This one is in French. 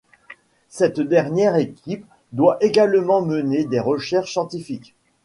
Cette dernière équipe doit également mener des recherches scientifiques.